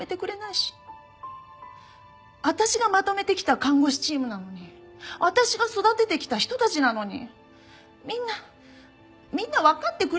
私がまとめてきた看護師チームなのに私が育ててきた人たちなのにみんなみんなわかってくれなくて。